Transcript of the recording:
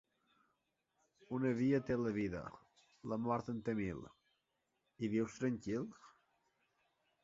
Una via té la vida, la mort en té mil. I vius tranquil?